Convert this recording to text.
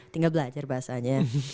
tinggal belajar bahasanya